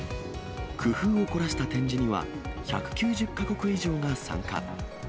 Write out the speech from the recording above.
工夫を凝らした展示には、１９０か国以上が参加。